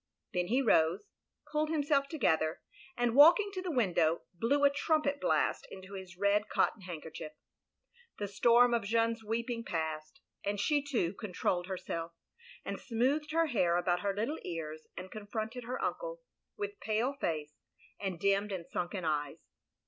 Then he rose, pulled himself together, and walking to the window, blew a trumpet blast into his red cotton handkerchief. The storm of Jeanne's weeping passed, and she too, controlled herself, and smoothed her hair about her little ears, and confronted her uncle, with pale face, and dimmed and sunken eyes.